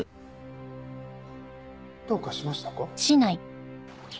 どうかしましたか？